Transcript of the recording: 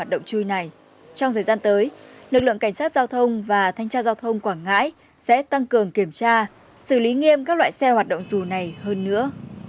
trong thời gian tới lực lượng cảnh sát giao thông và thanh tra giao thông quảng ngãi sẽ tăng cường kiểm tra xử lý nghiêm các loại xe hoạt động dù này hơn nữa